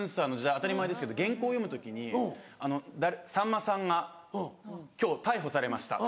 当たり前ですけど原稿読む時に「さんまさんンが今日逮捕されました」。